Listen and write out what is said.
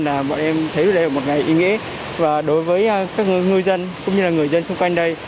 là bọn em thấy đây là một ngày ý nghĩa và đối với các ngư dân cũng như là người dân xung quanh đây